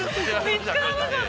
◆見つからなかった。